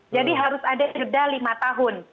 harus ada jeda lima tahun